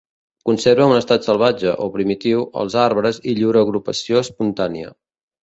Conserva en estat salvatge o primitiu els arbres i llur agrupació espontània.